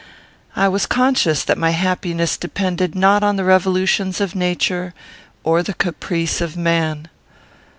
I was conscious that my happiness depended not on the revolutions of nature or the caprice of man.